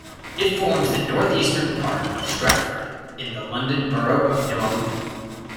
It forms the northeastern part of Stratford in the London Borough of Newham.